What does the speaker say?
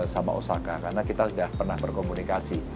sama osaka karena kita sudah pernah berkomunikasi